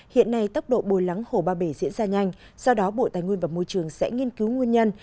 hiện nay tốc độ bồi lắng hồ ba bể diễn ra nhanh do đó bộ tài nguyên và môi trường sẽ nghiên cứu nguyên nhân